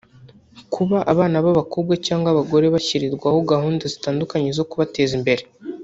Kuba abana b’abakobwa cyangwa abagore bashyirirwaho gahunda zitandukanye zo kubateza imbere